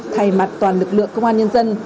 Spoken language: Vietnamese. thay mặt toàn lực lượng công an nhân dân